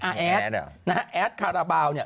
อายทนะฮะอายทคาราบาลเนี้ย